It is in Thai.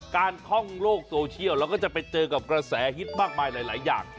การท่องโลกโซเชียลเราก็จะไปเจอกับกระแสฮิตมากมายหลายอย่าง